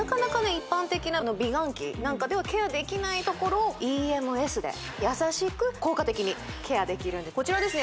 一般的な美顔器なんかではケアできない所をＥＭＳで優しく効果的にケアできるんでこちらですね